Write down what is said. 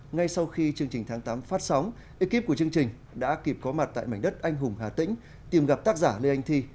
ngay sau khi chương trình tháng tám phát sóng ekip của chương trình đã kịp có mặt tại mảnh đất anh hùng hà tĩnh tìm gặp tác giả lê anh thi